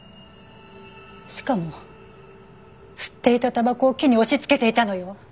しかも吸っていたタバコを木に押しつけていたのよ！